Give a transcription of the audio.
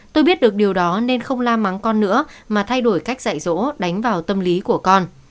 tôi biết được điều đó nên không la mắng con nữa mà thay đổi cách dạy dỗ đánh vào tâm lý của con